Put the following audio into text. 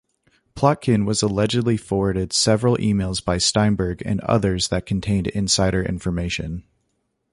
Plotkin was allegedly forwarded several emails by Steinberg and others that contained insider information.